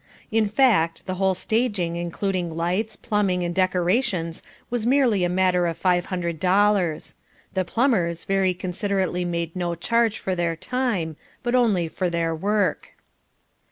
In fact, the whole staging, including lights, plumbing and decorations was merely a matter of five hundred dollars. The plumbers very considerately made no charge for their time, but only for their work.